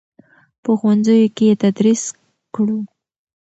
په ښوونځیو کې یې تدریس کړو.